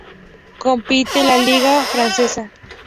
Compite en la Liga Francesa.